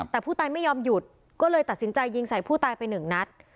แต่ผู้ตายไม่ยอมหยุดก็เลยตัดสินใจยิงใส่ผู้ตายไปหนึ่งนัด